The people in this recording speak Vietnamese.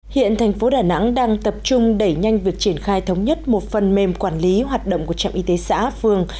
hiện thành phố đà nẵng đang tập trung đẩy nhanh việc triển khai thống nhất một phần mềm quản lý hoạt động của trạm y tế xã phường